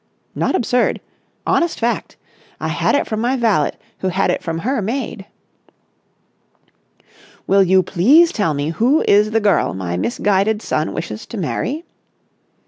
"Not absurd. Honest fact. I had it from my valet who had it from her maid." "Will you please tell me who is the girl my misguided son wishes to marry?"